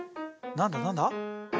何だ何だ？